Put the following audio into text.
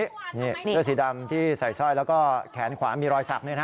เสื้อสีดำที่ใส่สร้อยแล้วก็แขนขวามีรอยสัก